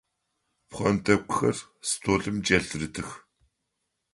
Пхъэнтӏэкӏухэр столым кӏэлъырытых.